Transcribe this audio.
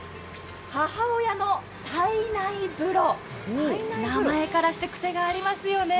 母親の胎内風呂、名前からしてクセがありますよね。